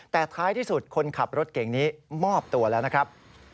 แต่ท้ายที่สุดคนขับรถเก่งนี้มอบตัวแล้วนะครับ